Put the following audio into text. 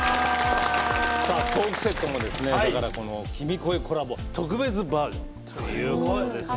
さあトークセットもですねだからこの「君声」コラボ特別バージョンということですね。